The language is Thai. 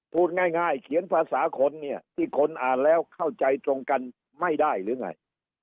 พูดง่ายเขียนภาษาคนเนี่ยที่คนอ่านแล้วเข้าใจตรงกันไม่ได้หรือไง